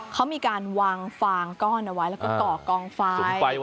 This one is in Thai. เขามีการวางฟางก้อนเอาไว้แล้วก็ก่อกองไฟ